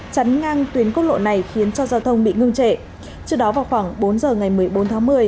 chắn ngang tuyến quốc lộ này khiến cho giao thông bị ngưng trệ trước đó vào khoảng bốn giờ ngày một mươi bốn tháng một mươi